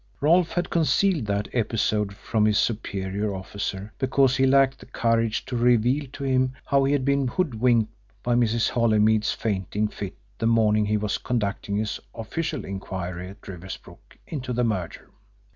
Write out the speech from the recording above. Rolfe had concealed that episode from his superior officer because he lacked the courage to reveal to him how he had been hoodwinked by Mrs. Holymead's fainting fit the morning he was conducting his official inquiry at Riversbrook into the murder.